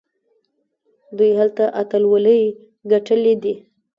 دوی هلته اتلولۍ ګټلي دي.